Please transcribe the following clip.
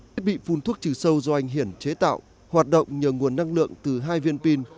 thiết bị phun thuốc trừ sâu do anh hiển chế tạo hoạt động nhờ nguồn năng lượng từ hai viên pin